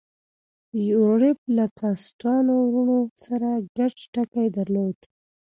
یوریب له کاسټانو وروڼو سره ګډ ټکی درلود.